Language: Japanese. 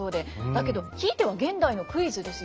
だけどひいては現代のクイズですよね。